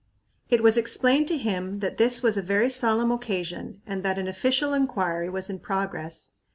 It was explained to him that this was a very solemn occasion and that an official inquiry was in progress.